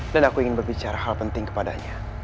dan aku ingin berbicara hal penting kepadanya